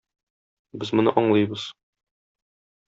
Без моны аңлыйбыз.